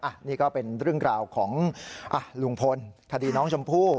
อันนี้ก็เป็นเรื่องราวของลุงพลคดีน้องชมพู่